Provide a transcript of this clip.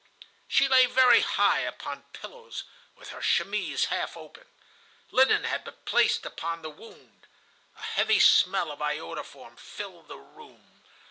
"She lay very high, upon pillows, with her chemise half open. Linen had been placed upon the wound. A heavy smell of iodoform filled the room.